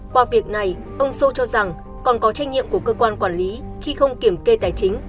qua việc này ông sô cho rằng còn có trách nhiệm của cơ quan quản lý khi không kiểm kê tài chính